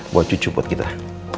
buat cucu buat kita